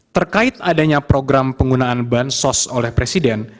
terkait adanya program penggunaan bansos oleh presiden